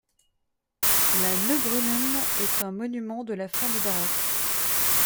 La Neubrunnen est un monument de la fin du baroque.